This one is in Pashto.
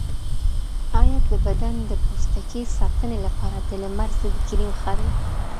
ایا د بدن د پوستکي ساتنې لپاره د لمر ضد کریم ښه دی؟